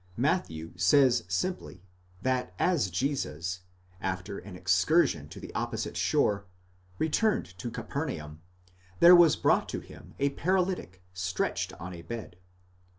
Matthew says simply, that as Jesus, after an excursion to the opposite shore, returned to Capernaum, there was brought to him a paralytic, stretched on a bed.